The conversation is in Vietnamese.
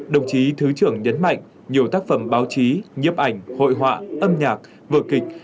đồng chí thứ trưởng nhấn mạnh nhiều tác phẩm báo chí nhiếp ảnh hội họa âm nhạc vở kịch